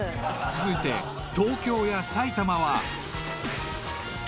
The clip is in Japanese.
［続いて東京や埼玉は］